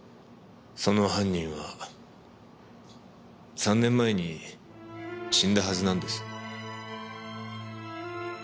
その犯人は３年前に死んだはずなんです。